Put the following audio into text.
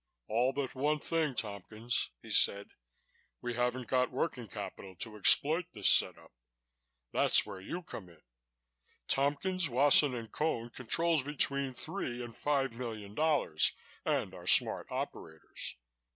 "All but one thing, Tompkins," he said. "We haven't got working capital to exploit this set up. That's where you come in. Tompkins, Wasson & Cone controls between three and five million dollars and are smart operators.